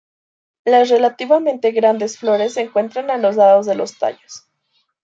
Las relativamente grandes flores se encuentran a los lados de los tallos.